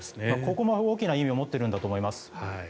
ここも大きな意味を持っているんだと思います。